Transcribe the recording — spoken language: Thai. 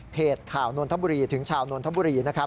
เพจขาวนทบุหรีถึงชาวนทบุหรี